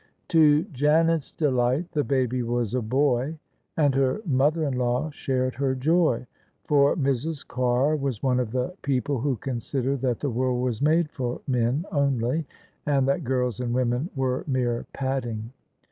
To Janet's delight the baby was a boy: and her mother in law shared her joy; for Mrs. Carr was one of the people who consider that the world was made for men only, and that girls and women were mere padding.